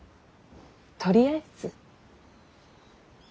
とりあえず。